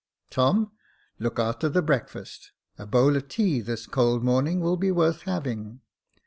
Tom, look a'ter the breakfast j a bowl of tea this cold morning will be worth having.